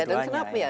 iya dan kenapa ya